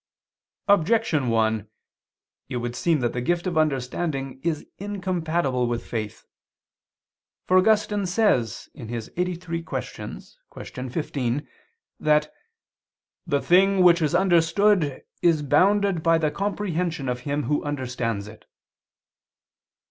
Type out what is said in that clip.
Objection 1: It would seem that the gift of understanding is incompatible with faith. For Augustine says (QQ. lxxxiii, qu. 15) that "the thing which is understood is bounded by the comprehension of him who understands it."